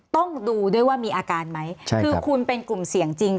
ต้องดูด้วยว่ามีอาการไหมคือคุณเป็นกลุ่มเสี่ยงจริง